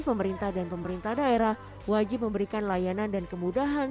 pemerintah dan pemerintah daerah wajib memberikan layanan dan kemudahan